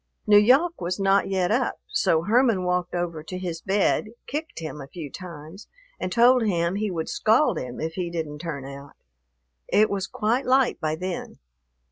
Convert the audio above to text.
N'Yawk was not yet up, so Herman walked over to his bed, kicked him a few times, and told him he would scald him if he didn't turn out. It was quite light by then.